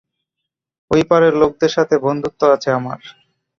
ঐপারের লোকদের সাথে বন্ধুত্ব আছে আমার।